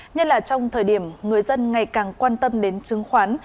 nhất là trong thời điểm người dân ngày càng quan tâm đến chứng khoán